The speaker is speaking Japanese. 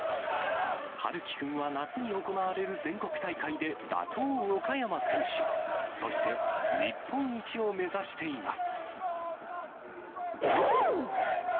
陽希君は夏に行われる全国大会で打倒、岡山選手、そして、日本一を目指しています。